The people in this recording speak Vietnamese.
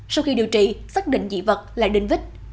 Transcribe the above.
sau khi điều trị xác định dị vật là đinh vít